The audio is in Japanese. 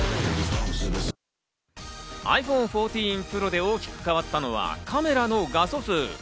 ｉＰｈｏｎｅ１４Ｐｒｏで大きく変わったのはカメラの画素数。